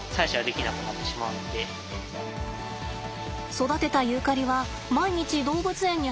育てたユーカリは毎日動物園に運びます。